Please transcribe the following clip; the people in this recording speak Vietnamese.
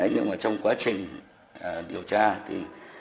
nhưng mà trong quá trình điều tra thì